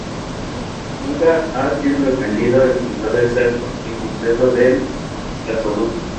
Nunca ha sido definido el trazado exacto y completo del gasoducto.